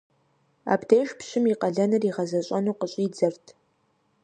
Абдеж пщым и къалэныр игъэзэщӀэну къыщӀидзэрт.